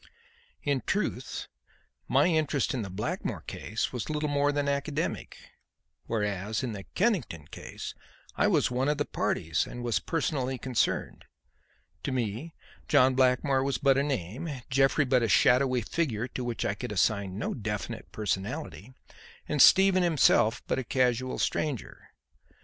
In truth, my interest in the Blackmore case was little more than academic, whereas in the Kennington case I was one of the parties and was personally concerned. To me, John Blackmore was but a name, Jeffrey but a shadowy figure to which I could assign no definite personality, and Stephen himself but a casual stranger. Mr.